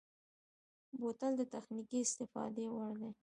بوتل د تخنیکي استفادې وړ دی.